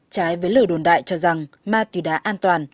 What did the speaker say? trái với lời đồn đại cho rằng ma túy đá an toàn